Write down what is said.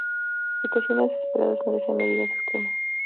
Situaciones desesperadas merecen medidas extremas.